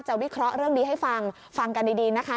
วิเคราะห์เรื่องนี้ให้ฟังฟังกันดีนะคะ